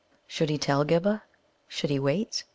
Should he tell Ghibba? Should he wait?